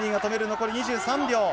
残り２３秒。